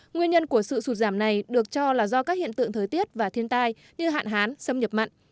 nguyên nhân của sự sụt giảm này được cho là do các hiện tượng thời tiết và thiên tai như hạn hán xâm nhập mặn